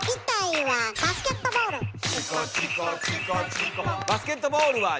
「痛い」は「バスケットボール」。